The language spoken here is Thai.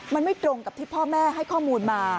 มันไม่ตรงกับที่พ่อแม่ให้ข้อมูลมา